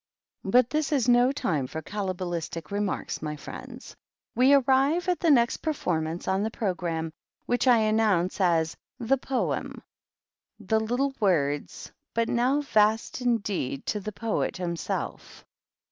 But this is no time for cabalistic remarks, my friends. We arrive at the next Performance on the Pro 262 THE GREAT OCCASION. gramme, which I announce as * The Poemy — th little word, but now vast indeed to the Poet hii self.